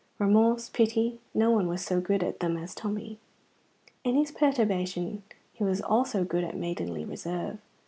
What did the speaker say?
Remorse, pity, no one was so good at them as Tommy. In his perturbation he was also good at maidenly reserve.